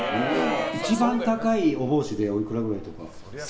一番高いお帽子でおいくらぐらいとか。